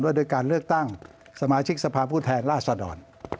ว่าโดยการเลือกตั้งสมาชิกสภาพผู้แทนล่าสะดอน